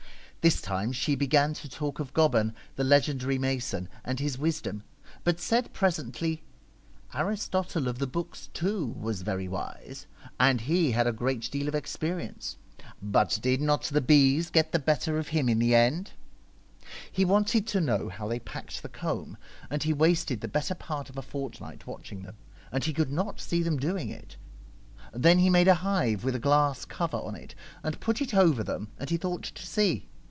This time she began to talk of Goban, the legendary mason, and his wisdom, but said presently, ' Aristotle of the Books, too, was very wise, and he had a great deal of experience, but did not the bees get the better of him in the end ? He wanted to know how they packed the comb, and he wasted the better part of a fortnight watching them, and he could not see them doing it. Then he made a hive with a glass cover on it and put it over them, and he thought to see.